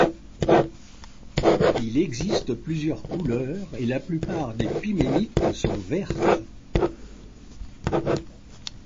Il existe plusieurs couleurs, et la plupart des pimélites sont vertes.